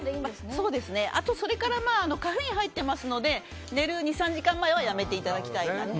それからカフェインが入っていますので寝る２３時間前はやめていただきたいなと。